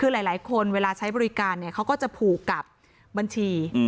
คือหลายคนเวลาใช้บริการเขาก็จะผูกกับบัญชี